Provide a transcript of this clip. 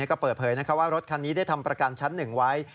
ก็เปิดเผยว่ารถคันนี้ได้ทำประกันชั้น๑ไว้